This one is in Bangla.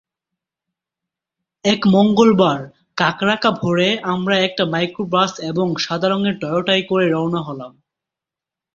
এক মঙ্গলবার কাকড়াকা ভোরে আমরা একটা মাইক্রোবাস এবং সাদা রঙের টয়োটায় করে রওনা হলাম।